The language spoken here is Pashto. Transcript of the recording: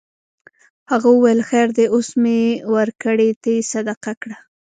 هغه وویل خیر دی اوس مې ورکړې ته یې صدقه کړه.